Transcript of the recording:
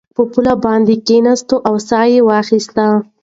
په پوله باندې کېناست او ساه یې واخیسته.